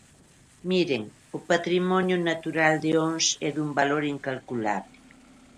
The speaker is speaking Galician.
Miren: o patrimonio natural de Ons é dun valor incalculable.